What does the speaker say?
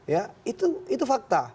ya itu fakta